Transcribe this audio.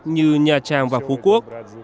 như nha trang và phú quốc